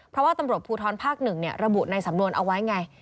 เพราะว่าตำรวจภูทรภาค๑ระบุในสำนวนเอาไว้ไง